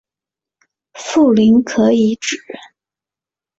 富临可以指